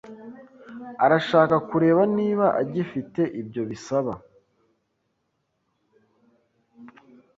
Arashaka kureba niba agifite ibyo bisaba.